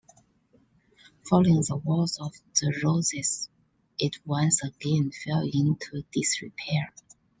Following the Wars of the Roses it once again fell into disrepair.